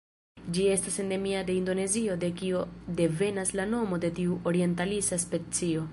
Ĝi estas endemia de Indonezio de kio devenas la nomo de tiu orientalisa specio.